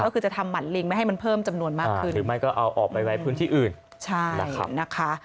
คือจะทำหมันลิงไม่ให้มันเพิ่มจำนวนมากขึ้นหรือไม่ก็เอาออกไปไว้พื้นที่อื่น